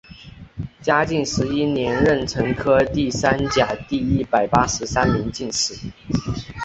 嘉靖十一年壬辰科第三甲第一百八十三名进士。